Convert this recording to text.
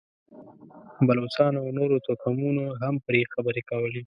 بلوڅانو او نورو توکمونو هم پرې خبرې کولې.